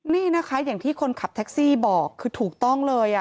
นี่นะคะอย่างที่คนขับแท็กซี่บอกคือถูกต้องเลย